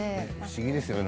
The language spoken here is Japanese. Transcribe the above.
不思議ですよね